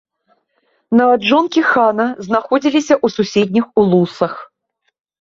Нават жонкі хана знаходзіліся ў суседніх улусах.